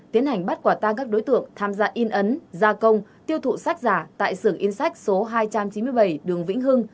tiến hành bắt quả tang các đối tượng tham gia in ấn gia công tiêu thụ sách giả tại sưởng in sách số hai trăm chín mươi bảy đường vĩnh hưng